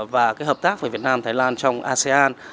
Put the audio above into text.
và hợp tác với việt nam thái lan trong asean